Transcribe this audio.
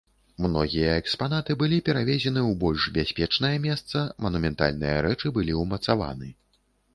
Многія экспанаты былі перавезены ў больш бяспечнае месца, манументальныя рэчы былі ўмацаваны.